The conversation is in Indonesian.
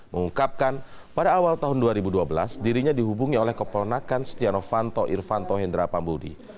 mengungkapkan pada awal tahun dua ribu dua belas dirinya dihubungi oleh keponakan setia novanto irvanto hendra pambudi